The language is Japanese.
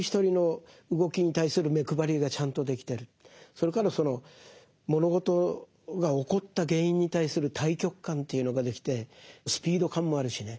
それからその物事が起こった原因に対する大局観というのができてスピード感もあるしね。